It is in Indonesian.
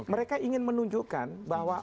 mereka ingin menunjukkan bahwa